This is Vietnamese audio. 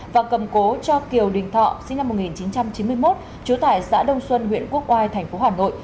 và cầm cố cho kiều đình thọ sinh năm một nghìn chín trăm chín mươi một chú tải xã đông xuân huyện quốc oai thành phố hà nội